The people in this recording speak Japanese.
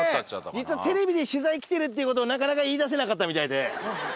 実はテレビで取材来てるっていう事をなかなか言いだせなかったみたいで。